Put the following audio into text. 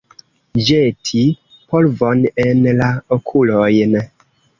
Ĵeti polvon en la okulojn.